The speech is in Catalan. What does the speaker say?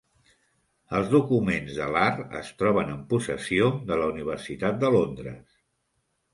Els documents de Lahr es troben en possessió de la Universitat de Londres.